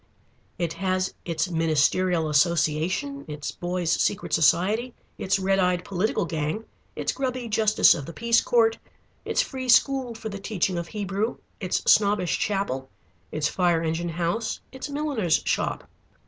It has its Ministerial Association, its boys' secret society, its red eyed political gang, its grubby Justice of the Peace court, its free school for the teaching of Hebrew, its snobbish chapel, its fire engine house, its milliner's shop.